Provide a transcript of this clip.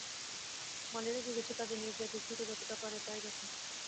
মালীরা লেগেছে কাজে, নীরজা দূর থেকে যতটা পারে তাই দেখে।